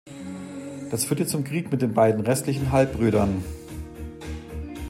Das führte zum Krieg mit den beiden restlichen Halbbrüdern.